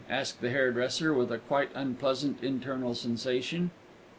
ASKED THE HAIRDRESSER, WITH A QUITE UNPLEASANT INTERNAL SENSATION.